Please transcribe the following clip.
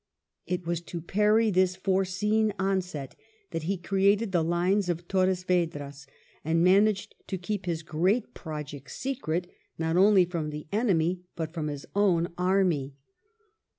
It was to parry this foreseen onset that he created the Lines of Torres Vedras, and managed to keep his great project secret, not only from the enemy, but from his own army